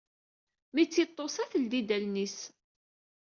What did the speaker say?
Mi tt-iḍusa, teldi-d allen-is.